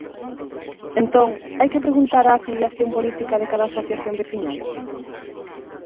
Entón, ¿hai que preguntar a afiliación política de cada asociación veciñal?